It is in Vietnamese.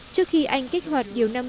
trước khi anh kích hoạt điều năm mươi